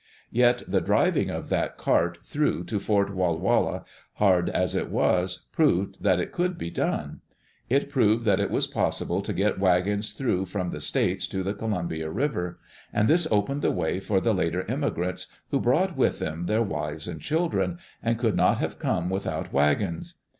Yet the driving of that cart through to Fort Walla Walla, hard as it was, proved that it could be done. It proved that it was possible to get wagons through from "the States" to the Columbia River. And this opened the way for the later immigrants who brought with them their wives and children, and could not have come without wagons.